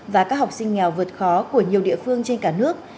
và các học sinh nghèo vượt khó của nhiều địa phương trên cả nước